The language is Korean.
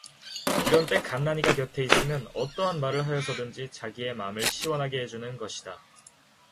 이런 때 간난이가 곁에 있으면 어떠한 말을 하여서든지 자기의 맘을 시원하게 해주는 것이다.